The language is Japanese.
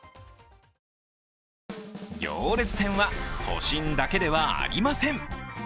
行列店は都心だけではありません。